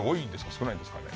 少ないですかね。